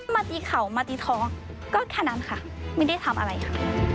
มาตีเข่ามาตีท้องก็แค่นั้นค่ะไม่ได้ทำอะไรค่ะ